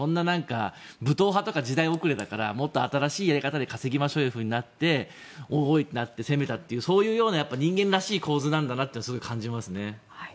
武闘派とか時代遅れだからもっと新しいやり方で稼ぎましょうというふうになって攻めたという人間らしい構図なんだなとすごい感じますね。